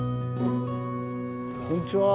こんにちは。